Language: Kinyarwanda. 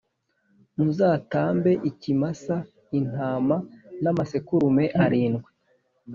Muzatambe ikimasa intama n’ amasekurume arindwi